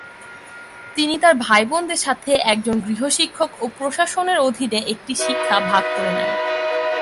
তিনি তার ভাইবোনদের সাথে একজন গৃহশিক্ষক ও প্রশাসনের অধীনে একটি শিক্ষা ভাগ করে নেন।